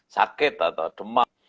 sakit atau demam